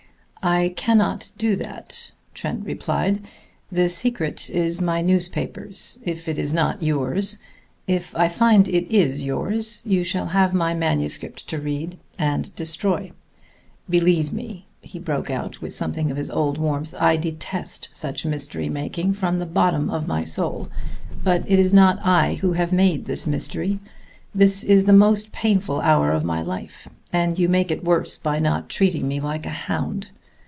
"I cannot do that," Trent replied. "The secret is my newspaper's, if it is not yours. If I find it is yours, you shall have my manuscript to read and destroy. Believe me," he broke out with something of his old warmth, "I detest such mystery making from the bottom of my soul, but it is not I who have made this mystery. This is the most painful hour of my life, and you make it worse by not treating me like a hound.